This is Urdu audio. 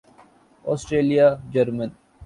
آسٹریائی جرمن